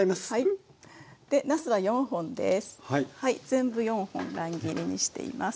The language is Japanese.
全部４本乱切りにしています。